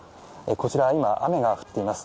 こちらは今、雨が降っています。